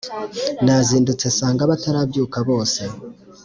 nazindutse nsanga batarabyuka bose